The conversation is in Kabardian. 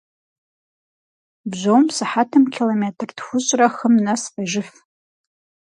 Бжьом сыхьэтым километр тхущӏрэ хым нэс къежыф.